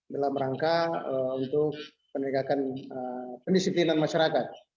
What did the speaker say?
dalam rangka untuk pendisiplinan masyarakat